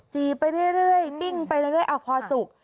ไปเรื่อยปิ้งไปเรื่อยเอาพอสุก